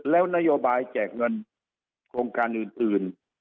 แล้วนโยบายแจกเงินโครงการอื่น